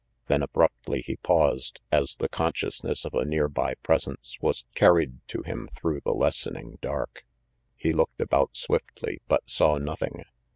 Then abruptly he paused, as the conscious ness of a nearby presencejvas carried to him through RANGY PETE 283 the lessening dark. He looked about swiftly, but saw nothing.